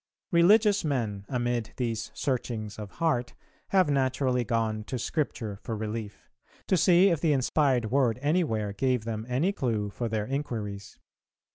Religious men, amid these searchings of heart, have naturally gone to Scripture for relief; to see if the inspired word anywhere gave them any clue for their inquiries.